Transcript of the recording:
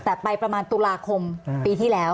แต่ไปประมาณตุลาคมปีที่แล้ว